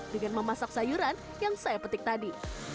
dengan memasak sayuran yang saya petik tadi